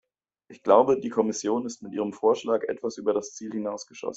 Ich glaube, die Kommission ist mit ihrem Vorschlag etwas über das Ziel hinausgeschossen.